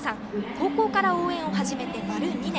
高校から応援を始めて丸２年。